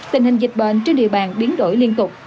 tình hình dịch bệnh trên địa bàn biến đổi liên tục